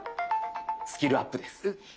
スキルアップです。